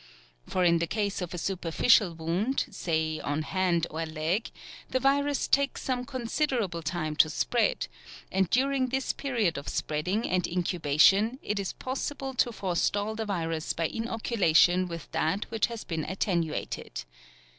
For in the case of a superficial wound, say on hand or leg, the virus takes some considerable time to spread, and during this period of spreading and incubation it is possible to forestall the virus by inoculation with that which has been attenuated.